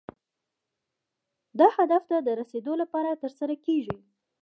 دا هدف ته د رسیدو لپاره ترسره کیږي.